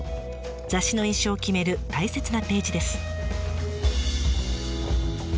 雑誌の印象を決める大切なページです。